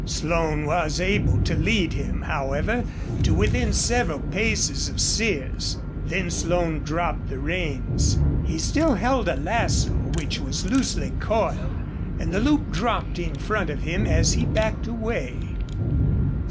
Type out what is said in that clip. Slone was able to lead him, however, to within several paces of Sears. Then Slone dropped the reins. He still held a lasso which was loosely coiled, and the loop dropped in front of him as he backed away.